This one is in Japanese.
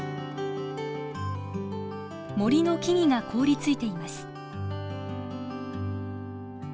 森の木々が凍りついています。